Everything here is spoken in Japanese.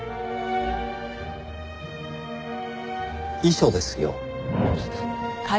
遺書ですよ。